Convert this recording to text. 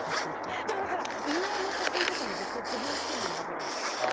遺影の写真とかも絶対に自分が好きなのを選べるんですよ。